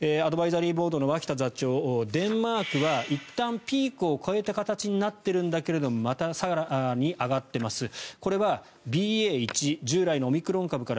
アドバイザリーボードの脇田座長デンマークはいったんピークを超えた形になっているんだけどまた更に上がっています。